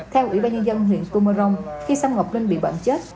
theo ủy ban nhân dân huyện tù mật rồng khi xăm ngọc linh bị bệnh chết